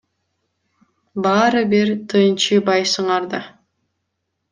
Баары бир тынчыбайсыңар да.